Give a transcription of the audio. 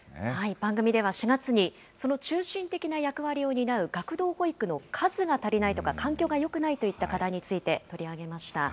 番組では４月に、その中心的な役割を担う学童保育の数が足りないとか、環境がよくないといった課題について取り上げました。